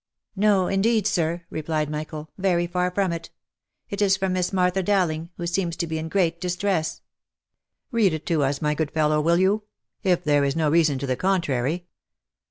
" No, indeed, sir," replied Michael, " very far from it. "" It is from Miss Martha Dowling, who seems to be in great distress." " Read it to us, my good fellow, will you ? If there is no reason to the contrary."